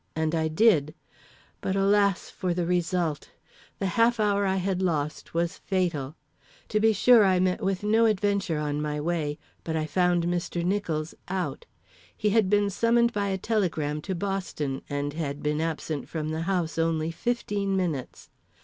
And I did; but alas! for the result! The half hour I had lost was fatal. To be sure I met with no adventure on my way, but I found Mr. Nicholls out. He had been summoned by a telegram to Boston, and had been absent from the house only fifteen minutes.